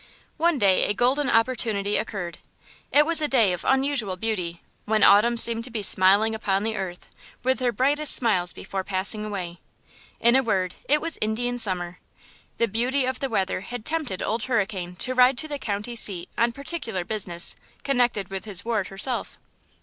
One day a golden opportunity occurred. It was a day of unusual beauty, when autumn seemed to be smiling upon the earth with her brightest smiles before passing away. In a word, it was Indian summer. The beauty of the weather had tempted Old Hurricane to ride to the county seat on particular business connected with his ward herself.